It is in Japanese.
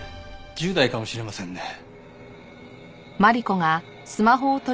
１０代かもしれませんね。